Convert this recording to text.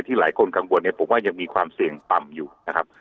หลายคนกังวลเนี่ยผมว่ายังมีความเสี่ยงต่ำอยู่นะครับ